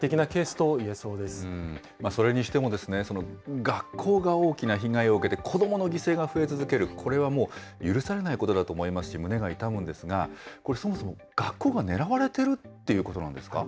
例それにしてもですね、学校が大きな被害を受けて、子どもの犠牲が増え続ける、これはもう、許されないことだと思いますし、胸が痛むんですが、これ、そもそも学校が狙われてるってことなんですか。